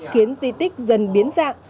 khiến di tích dần biến dạng